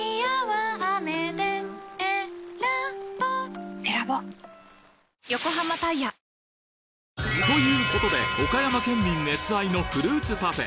泣いちゃう？ということで岡山県民熱愛のフルーツパフェ